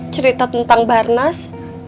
cerita tentang barnas